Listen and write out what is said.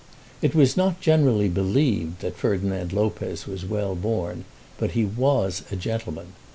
It was not generally believed that Ferdinand Lopez was well born; but he was a gentleman.